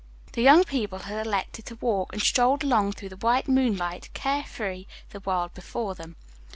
The young people had elected to walk and strolled along through the white moonlight, care free, the world before them.